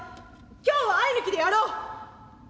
今日は愛衣抜きでやろう！